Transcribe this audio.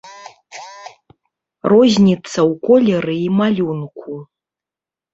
Розніца ў колеры і малюнку.